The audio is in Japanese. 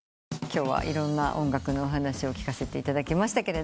今日はいろんな音楽のお話を聞かせていただきました。